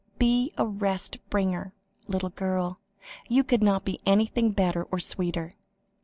Be a rest bringer, little girl; you could not be anything better or sweeter."